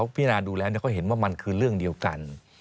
พิจารณาดูแล้วก็เห็นว่ามันคือเรื่องเดียวกัน